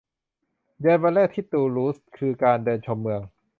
เย็นวันแรกที่ตูลูสคือการเดินชมเมือง